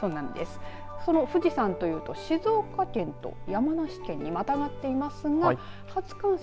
富士山というと静岡県と山梨県に、またがっていますが初冠雪。